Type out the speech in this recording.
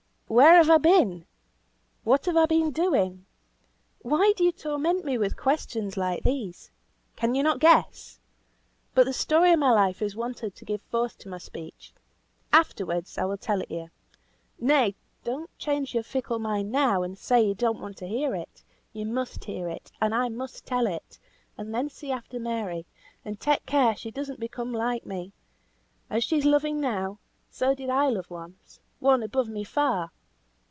"Where have I been? What have I been doing? Why do you torment me with questions like these? Can you not guess? But the story of my life is wanted to give force to my speech, afterwards I will tell it you. Nay! don't change your fickle mind now, and say you don't want to hear it. You must hear it, and I must tell it; and then see after Mary, and take care she does not become like me. As she is loving now, so did I love once; one above me far."